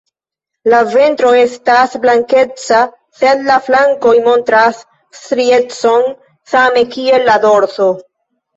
La ventro estas blankeca, sed la flankoj montras striecon same kiel la dorso.